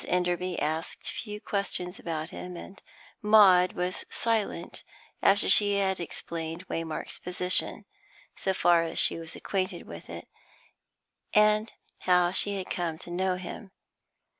Enderby asked few questions about him, and Maud was silent after she had explained Waymark's position, so far as she was acquainted with it, and how she had come to know him.